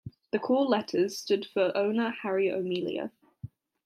The call letters stood for owner Harry O'Melia.